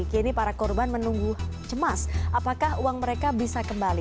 kini para korban menunggu cemas apakah uang mereka bisa kembali